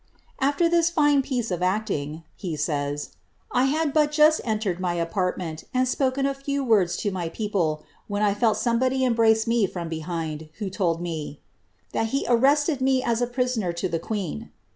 " Aiter ihis fine pieee of iirliiie," he says, '■ I hao mii jusi emered mv apartment, and spoken ■ few words to my people, when I felt somebody embrace me from be hind, who told me ' that he arrested me as a prisoner to the queea.'